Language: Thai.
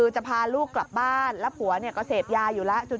จะพาลูกกลับบ้านแล้วผัวก็เสพยาอยู่แล้ว